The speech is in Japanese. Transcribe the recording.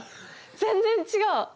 全然違う！